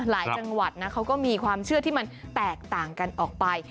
จังหวัดนะเขาก็มีความเชื่อที่มันแตกต่างกันออกไป